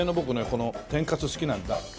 この天かす好きなんだ。